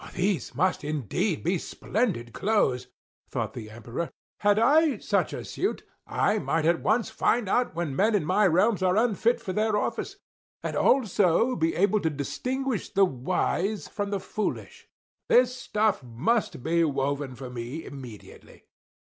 "These must, indeed, be splendid clothes!" thought the Emperor. "Had I such a suit, I might at once find out what men in my realms are unfit for their office, and also be able to distinguish the wise from the foolish! This stuff must be woven for me immediately."